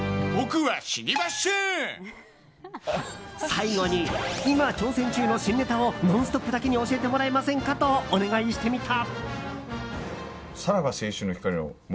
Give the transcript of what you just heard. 最後に、今挑戦中の新ネタを「ノンストップ！」だけに教えてもらえませんかとお願いしてみた。